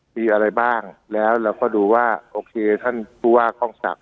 มีอะไรบ้างแล้วเราก็ดูว่าโอเคท่านผู้ว่ากล้องศักดิ